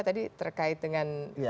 tadi terkait dengan